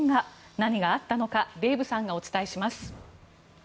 何があったのかデーブさんがお伝えします。